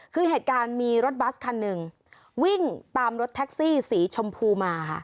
คือเหตุการณ์มีรถบัสคันหนึ่งวิ่งตามรถแท็กซี่สีชมพูมาค่ะ